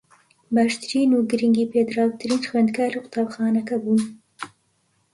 باشترین و گرنگی پێدراوترین خوێندکاری قوتابخانەکە بووم